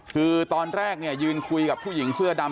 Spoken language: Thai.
คือตอนแรกเนี่ยยืนคุยกับผู้หญิงเสื้อดำ